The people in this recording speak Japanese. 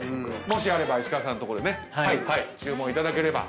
もしあれば石川さんとこでね注文いただければ。